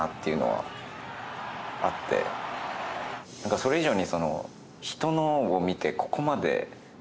それ以上に。